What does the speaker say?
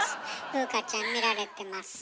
風花ちゃん見られてます。